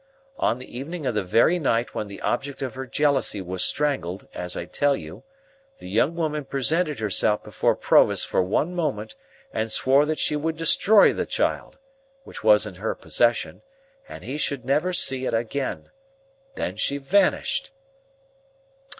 On the evening of the very night when the object of her jealousy was strangled as I tell you, the young woman presented herself before Provis for one moment, and swore that she would destroy the child (which was in her possession), and he should never see it again; then she vanished.